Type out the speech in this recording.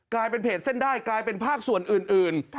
กลายเป็นเพจเส้นได้กลายเป็นภาคส่วนอื่น